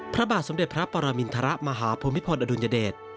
พระบาทสมเด็จพระปรมินทรมาฮภูมิพลอดุลยเดช